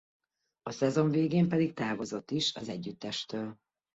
A szezon végén pedig távozott is az együttestől.